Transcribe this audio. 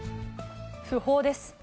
訃報です。